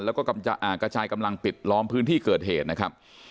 แล้วก็กระจายกำลังปิดล้อมพื้นที่เกิดเหตุนะครับ